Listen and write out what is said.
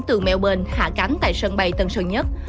đường melbourne hạ cánh tại sân bay tân sơn nhất